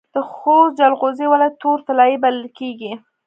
د خوست جلغوزي ولې تور طلایی بلل کیږي؟